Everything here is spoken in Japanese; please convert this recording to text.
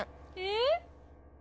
えっ？